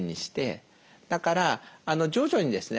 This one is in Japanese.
だから徐々にですね